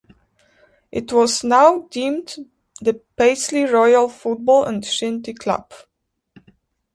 It was now deemed the Paisley Royal Football and Shinty Club.